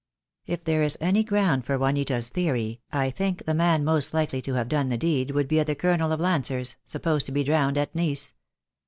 ■"If there is any ground for Juanita's theory, I think the man most likely to have done the deed would be the Colonel of Lancers, supposed to be drowned at Nice.